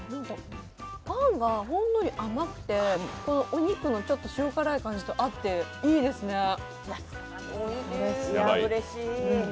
パンがほんのり甘くて、お肉のちょっと塩辛い感じと合っていいですね、おいしい！